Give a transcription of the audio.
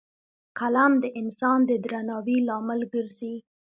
قلم د انسان د درناوي لامل ګرځي